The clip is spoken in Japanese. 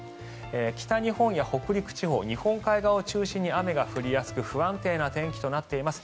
北日本や北陸地方日本海側を中心に雨が降りやすく不安定な天気となっています。